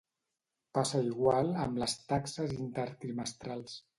Passa igual amb les taxes intertrimestrals.